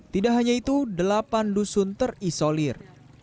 tidak hanya itu delapan dusun terisolir